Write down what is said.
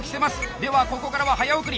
ではここからは早送り。